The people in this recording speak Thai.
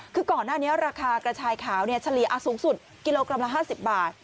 คือก่อนหน้านี้ราคากระชายขาวเฉลี่ยสูงสุดกิโลกรัมละ๕๐บาท